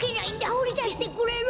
ほりだしてくれる？